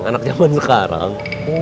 anak jaman sekarang